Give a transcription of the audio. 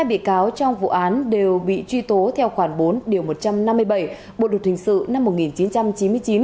một mươi hai bị cáo trong vụ án đều bị truy tố theo khoản bốn một trăm năm mươi bảy bộ đội thuyền sự năm một nghìn chín trăm chín mươi chín